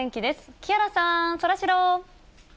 木原さん、そらジロー。